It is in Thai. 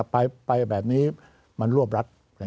ไปแบบนี้มันรวบรัด